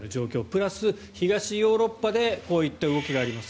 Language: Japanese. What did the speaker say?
プラス、東ヨーロッパでこういった動きがあります。